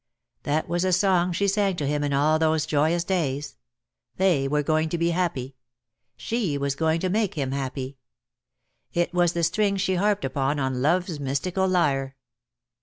That was the song she sang to him in all those joyous days. They were going to be happy. She was going to make him happy. It was the string she harped upon on love's mystical lyre.